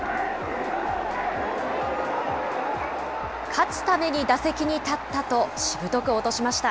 勝つために打席に立ったと、しぶとく落としました。